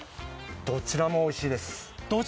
どちらもおいしいです。